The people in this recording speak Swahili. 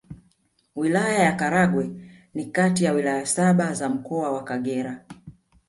Wilaya ya Karagwe ni kati ya Wilaya saba za Mkoa wa Kagera